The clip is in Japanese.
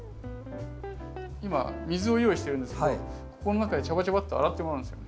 今水を用意してるんですけどここの中でジャバジャバッと洗ってもらうんですよ。